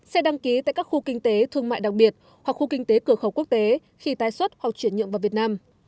xe đăng ký tại các khu kinh tế thương mại đặc biệt hoặc khu kinh tế cửa khẩu quốc tế khi tái xuất hoặc chuyển nhượng vào việt nam